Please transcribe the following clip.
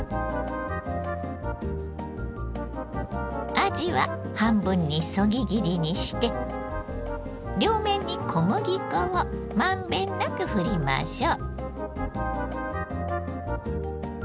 あじは半分にそぎ切りにして両面に小麦粉を満遍なくふりましょう。